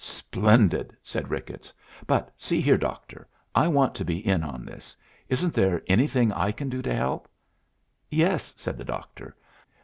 "Splendid!" said Ricketts. "But, see here, doctor, I want to be in on this. Isn't there anything I can do to help?" "Yes," said the doctor.